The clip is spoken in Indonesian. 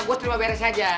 gue terima beres aja